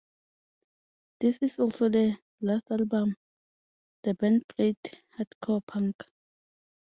This is also the last album the band played hardcore punk.